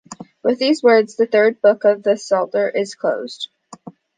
With these words, the third book of the Psalter is closed.